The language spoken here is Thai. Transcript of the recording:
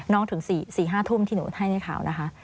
ถึง๔๕ทุ่มที่หนูให้ในข่าวนะคะ